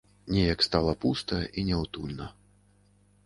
Неяк стала пуста і няўтульна.